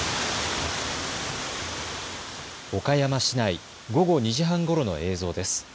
岡山市内、午後２時半ごろの映像です。